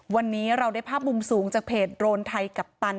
วันนี้เราได้ภาพมุมสูงจากเพจโดรนไทยกัปตัน